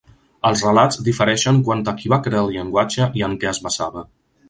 Els relats difereixen quant a qui va crear el llenguatge i en què es basava.